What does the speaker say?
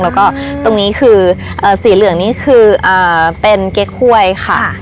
แล้วก็ตรงนี้คือสีเหลืองนี่คือเป็นเก๊กห้วยค่ะ